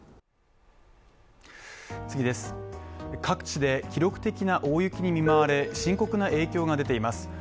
各地で記録的な大雪に見舞われ、深刻な影響が出ています。